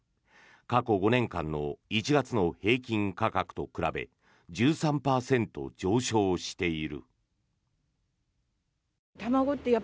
過去５年間の１月の平均価格と比べ１３％上昇している。